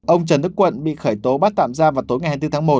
ông trần đức quận bị khởi tố bắt tạm ra vào tối ngày hai mươi bốn tháng một